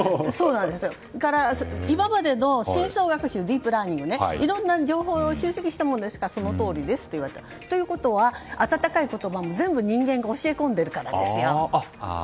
今までのディープランニングなのでいろいろな情報を集積したものですからそのとおりですと。ということは温かい言葉も全部人間が教え込んでいるからですよ。